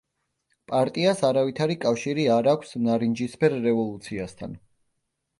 პარტიას არავითარი კავშირი არ აქვს ნარინჯისფერ რევოლუციასთან.